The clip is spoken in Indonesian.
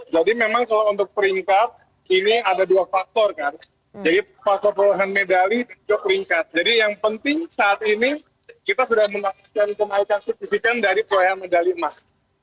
jadi memang kalau untuk peringkat ini ada dua faktor kan jadi faktor perolahan medali dan juga peringkat jadi yang penting saat ini kita sudah memanfaatkan penolakan spesifikan dari pro email medali emas